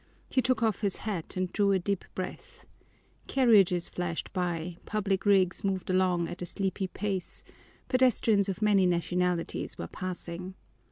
He took off his hat and drew a deep breath. Carriages flashed by, public rigs moved along at a sleepy pace, pedestrians of many nationalities were passing.